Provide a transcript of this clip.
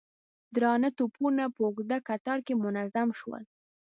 درانه توپونه په اوږده کتار کې منظم شول.